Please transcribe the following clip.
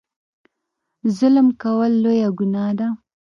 ظلم کول لویه ګناه ده.